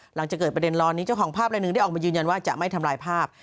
หลังจากเกิดประเด็นร้อนนี้เจ้าของภาพละหนึ่งได้ออกมายืนยันว่าจะไม่ทำลายภาพ